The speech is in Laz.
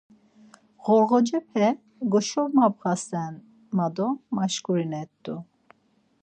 Ğorğocepe goşomabğasen ma do maşkurinet̆u.